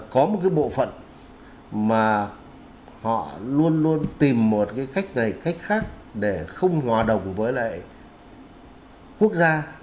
có một cái bộ phận mà họ luôn luôn tìm một cái cách này cách khác để không hòa đồng với lại quốc gia